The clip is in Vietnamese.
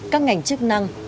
các ngành chức năng